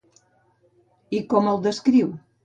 I com el descriu?